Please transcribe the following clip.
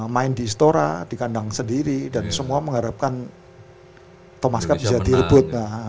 main di istora di kandang sendiri dan semua mengharapkan thomas cup bisa direbut